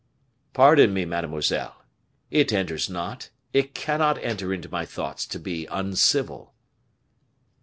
"Pardon me, mademoiselle; it enters not, it cannot enter into my thoughts to be uncivil."